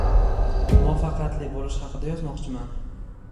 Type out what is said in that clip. Muvaffaqiyatli bo’lish haqida yozmoqchiman